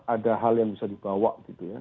ada hal yang bisa dibawa gitu ya